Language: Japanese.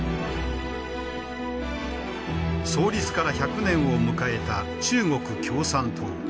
創立から１００年を迎えた中国共産党。